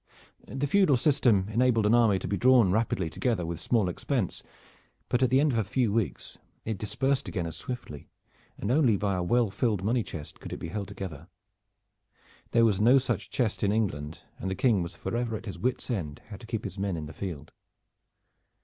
The feudal system enabled an army to be drawn rapidly together with small expense, but at the end of a few weeks it dispersed again as swiftly, and only by a well filled money chest could it be held together. There was no such chest in England, and the King was forever at his wits' end how to keep his men in the field.